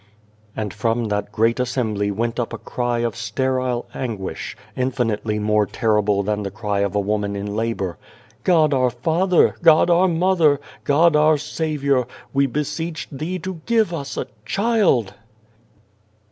And from that great assembly went up a cry of sterile anguish, infinitely more terrible than the cry of a woman in labour : "God our Father, God our Mother, God our Saviour, we beseech Thee to give us a child."